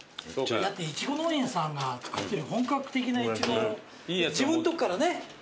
だっていちご農園さんが作ってる本格的ないちご自分のとこからねすぐだから。